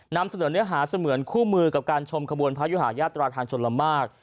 นำเสนอเนื้อหาเสมือนคู่มือกับการชมขบวนพระยุหาญาตราทางชนละมาก